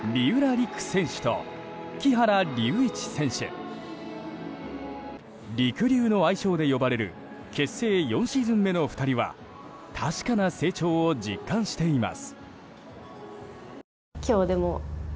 りくりゅうの愛称で呼ばれる結成４シーズン目の２人は確かな成長を実感しています。